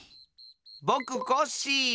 ぼくコッシー！